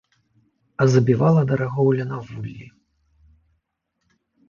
А забівала дарагоўля на вуллі.